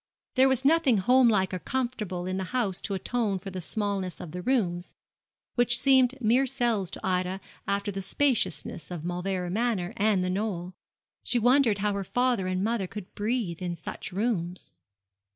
There was nothing home like or comfortable in the house to atone for the smallness of the rooms, which seemed mere cells to Ida after the spaciousness of Mauleverer Manor and The Knoll. She wondered how her father and mother could breathe in such rooms.